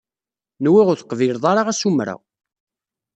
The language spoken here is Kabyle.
Nwiɣ ur teqbileḍ ara asumer-a.